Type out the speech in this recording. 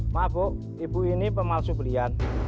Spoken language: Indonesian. maaf bu ibu ini pemalsu belian